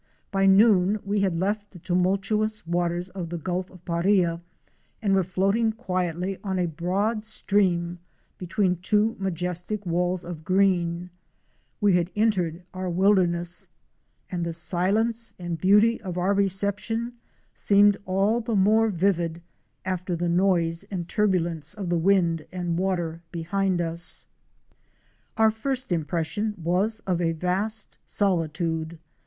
By noon we had left the tumultuous waters of the Gulf of Paria, and were floating quietly on a broad stream between two majestic walls of green; we had entered our wilderness, and the silence Fic. 2. OuR SLOOP ENTERING THE MANGROVES. and beauty of our reception seemed all the more vivid after the noise and turbulence of the wind and water behind us. Our first impression was of a vast solitude.